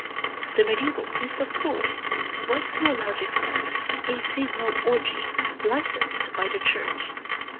The mediæval Feast of Fools was to a large extent a seasonal orgy licensed by the Church.